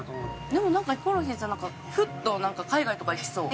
でもなんかヒコロヒーさんフッと海外とか行きそう。